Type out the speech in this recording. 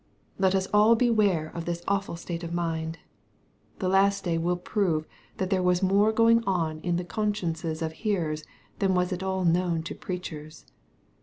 Let us all beware of this awful state of mind. The last day will prove that there was more going on in the consciences of hearers than was at all known to preachers.